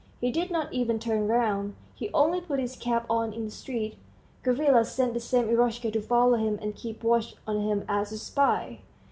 He did not even turn round; he only put his cap on in the street. Gavrila sent the same Eroshka to follow him and keep watch on him as a spy.